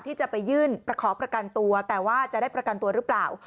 ที่จะไปยื่นขอประกันตัวแต่ว่าจะได้ประกันตัวหรือเปล่า